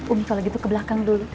umi kalau gitu ke belakang dulu